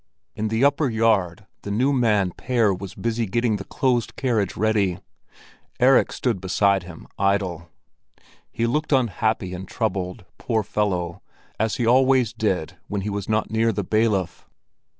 In the upper yard the new man Pær was busy getting the closed carriage ready. Erik stood beside him idle. He looked unhappy and troubled, poor fellow, as he always did when he was not near the bailiff.